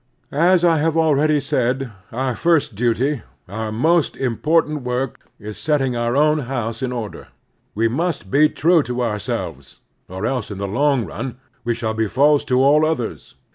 As I have already said, our first duty, otar most important work, is setting our own house in order. 2X4 The Strenuous Life We must be true to ourselves, or else, in the long run, we shall be false to all others.